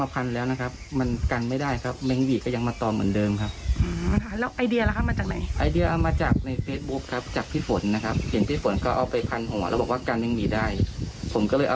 พี่จังมาตอบเหมือนเดิมครับก็เลยกินใบตำลึงเพื่อเลย